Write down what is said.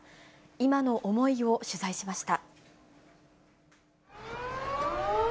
今の思いを取材しました。